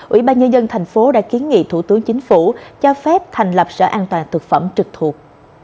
ủy ban nhân dân tp hcm đã kiến nghị thủ tướng chính phủ cho phép thành lập sở an toàn được phẩm trực thuộc